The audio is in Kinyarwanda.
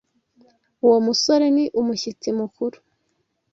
Uwo musore ni umushyitsi mukuru.